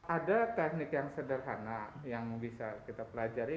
ada teknik yang sederhana yang bisa kita pelajari